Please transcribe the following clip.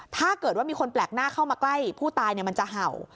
ถ้าเกิดว่ามีคนแปลกหน้าเข้ามาใกล้ผู้ตายมันจะเห่า